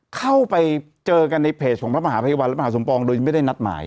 เข้าไปเจอกันในเพจของพระมหาภัยวันและมหาสมปองโดยไม่ได้นัดหมาย